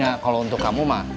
ya kalau untuk kamu mah